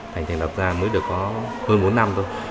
thành đạt ra mới được hơn bốn năm thôi